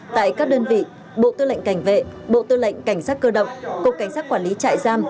tại các đơn vị bộ tư lệnh cảnh vệ bộ tư lệnh cảnh sát cơ động cục cảnh sát quản lý trại giam